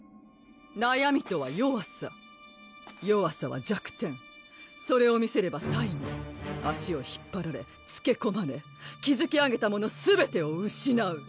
なやみとは弱さ弱さは弱点それを見せれば最後足を引っぱられつけこまれきずき上げたものすべてをうしなう